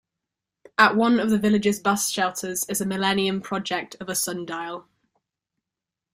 At one of the village's bus shelters is a millennium project of a sundial.